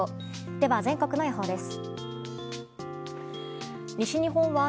では全国の予報です。